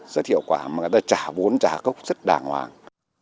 rất hiệu quả mà người ta trả vốn trả cốc rất đàng hoàng